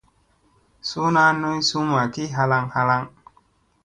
Suuna noy summa ki halaŋ halaŋ.